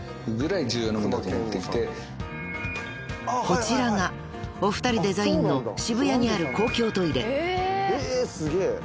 ［こちらがお二人デザインの渋谷にある公共トイレ］